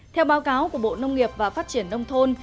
theo báo cáo của bộ nông nghiệp và phát triển nông thôn